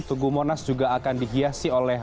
tugu monas juga akan dihiasi oleh